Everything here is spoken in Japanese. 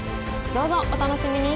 どうぞお楽しみに！